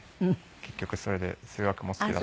結局それで数学も好きだったので。